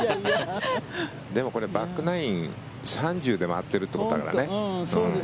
でもこれ、バックナイン３０で回っているということだからね。